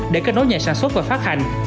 để kết nối nhà sản xuất và phát hành